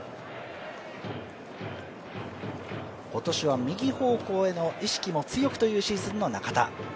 今年は右方向への意識も強くというシーズンの中田。